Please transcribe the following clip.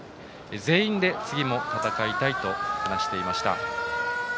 全員で次も戦いたいと話していました。